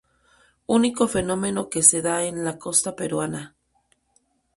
Único fenómeno que se da en la costa peruana.